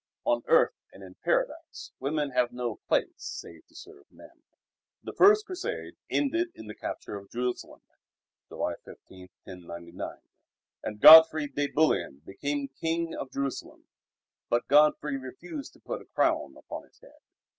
On earth and in Paradise women have no place save to serve men. The first Crusade ended in the capture of Jerusalem (July 15, 1099), and Godfrey de Bouillon became King of Jerusalem. But Godfrey refused to put a crown upon his head.